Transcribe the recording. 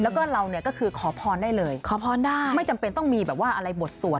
แล้วก็เราเนี่ยก็คือขอพรได้เลยขอพรได้ไม่จำเป็นต้องมีแบบว่าอะไรบทสวด